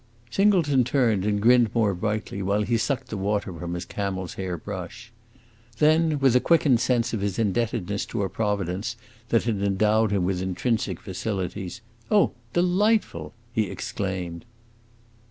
Singleton turned and grinned more brightly, while he sucked the water from his camel's hair brush. Then, with a quickened sense of his indebtedness to a Providence that had endowed him with intrinsic facilities, "Oh, delightful!" he exclaimed.